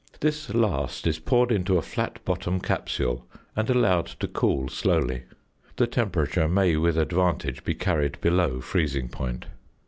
This last is poured into a flat bottom capsule, and allowed to cool slowly. The temperature may with advantage be carried below freezing point.